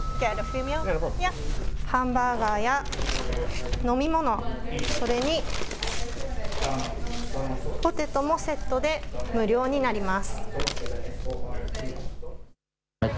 ハンバーガーや飲み物、それにポテトもセットで無料になります。